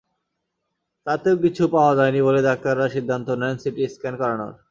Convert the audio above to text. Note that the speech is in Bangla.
তাতেও কিছু পাওয়া যায়নি বলে ডাক্তাররা সিদ্ধান্ত নেন সিটি স্ক্যান করানোর।